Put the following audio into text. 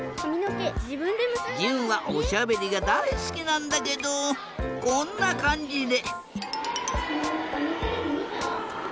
じゅんはおしゃべりがだいすきなんだけどこんなかんじで。